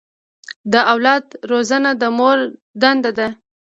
د اولاد روزنه د مور دنده ده.